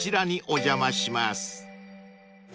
お邪魔します。